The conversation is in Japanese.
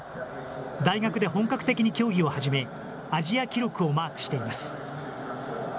大学で本格的に競技を始め、アジア記録をマークしています。